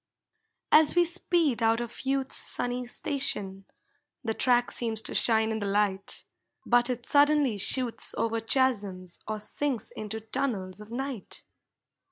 As we speed out of youth's sunny station, The track seems to shine in the light, But it suddenly shoots over chasms Or sinks into tunnels of night.